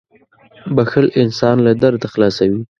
• بښل انسان له درده خلاصوي.